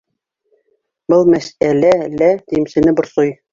Был мәсьәлә лә димсене борсой.